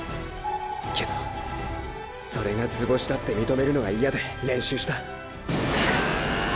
けどそれが図星だって認めるのが嫌で練習したうお！